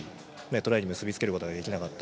トライに結びつけることができなかった。